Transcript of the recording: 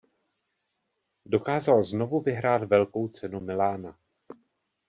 Dokázal znovu vyhrát Velkou cenu Milána.